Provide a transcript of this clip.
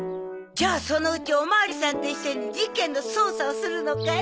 じゃあそのうちお巡りさんと一緒に事件の捜査をするのかい？